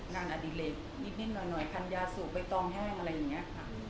งานอดีตเล็กนิดนิดหน่อยคันยาสูบไปตองแห้งอะไรอย่างเงี้ยค่ะ